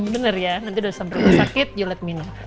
benar ya nanti langsung ke rumah sakit kamu biarkan saya minum